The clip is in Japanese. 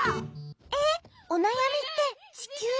えっおなやみって地球のこと！？